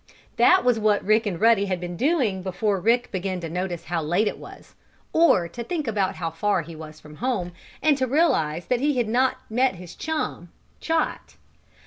That was what Rick and Ruddy had been doing before Rick began to notice how late it was, or to think about how far he was from home, and to realize that he had not met his chum, Chot.